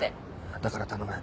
だから頼む。